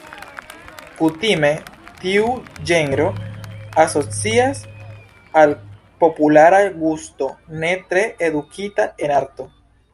Kutime tiu ĝenro asocias al populara gusto, ne tre edukita en arto.